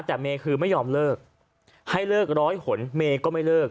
แต่เมย์คือไม่ยอมเลิกให้เลิกร้อยหนเมย์ก็ไม่เลิก